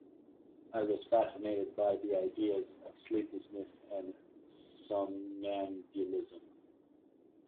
I was fascinated by the ideas of sleeplessness and somnambulism.